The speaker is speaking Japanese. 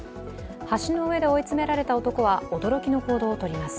橋の上で追い詰められた男は驚きの行動をとります。